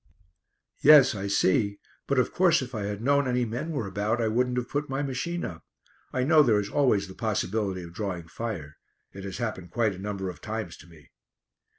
"Yes, I see, but of course if I had known any men were about I wouldn't have put my machine up. I know there is always the possibility of drawing fire. It has happened quite a number of times to me!"